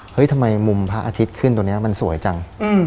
ทำไมมุมพระอาทิตย์ขึ้นตรงนี้มันสวยจัง